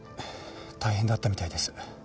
大変だったみたいです。